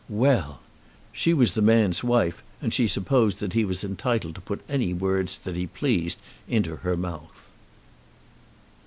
Well! She was the man's wife, and she supposed that he was entitled to put any words that he pleased into her mouth.